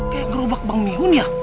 kayak gerobak bang mihun ya